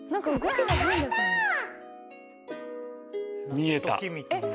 見えた。